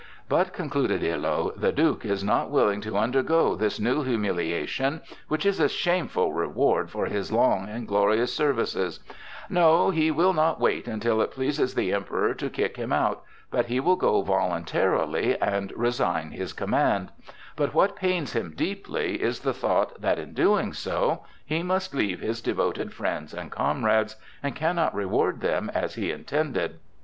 "But," concluded Illo, "the Duke is not willing to undergo this new humiliation, which is a shameful reward for his long and glorious services; no, he will not wait until it pleases the Emperor to kick him out, but he will go voluntarily and resign his command; but what pains him deeply is the thought that, in doing so, he must leave his devoted friends and comrades, and cannot reward them as he intended."